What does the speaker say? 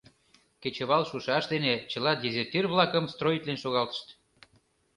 Кечывал шушаш дене чыла дезертир-влакым строитлен шогалтышт.